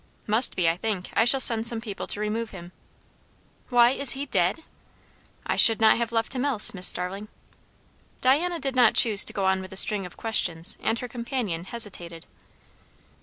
"Must be, I think. I shall send some people to remove him." "Why, is he dead?" "I should not have left him else, Miss Starling." Diana did not choose to go on with a string of questions; and her companion hesitated.